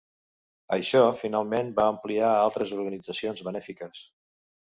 Això finalment va ampliar a altres organitzacions benèfiques.